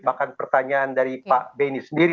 dan pertanyaan dari pak beni sendiri